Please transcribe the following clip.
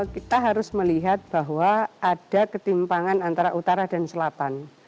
kita harus melihat bahwa ada ketimpangan antara utara dan selatan